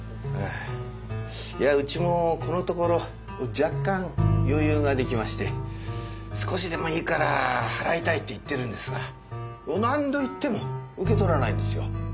いやうちもこのところ若干余裕ができまして少しでもいいから払いたいって言ってるんですが何度言っても受け取らないんですよ。